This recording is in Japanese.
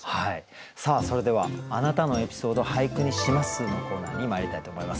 さあそれでは「あなたのエピソード、俳句にします」のコーナーにまいりたいと思います。